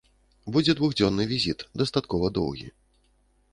Будзе двухдзённы візіт, дастаткова доўгі.